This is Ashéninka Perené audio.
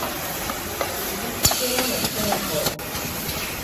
Pishitsikero nochenko.